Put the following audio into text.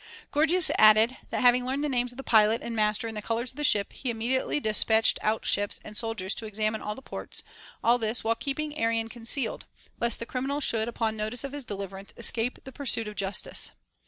Gorgias added that, having learned the names of the pilot and master and the colors of the ship, he immediately despatched out ships and sol diers to examine all the ports, all this while keeping Arion concealed, lest the criminals should upon notice of his deliverance escape the pursuit of justice.